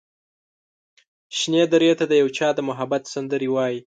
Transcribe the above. شنې درې ته د یو چا د محبت سندرې وايي